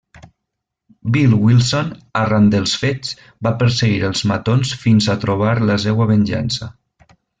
Bill Wilson, arran dels fets, va perseguir els matons fins a trobar la seua venjança.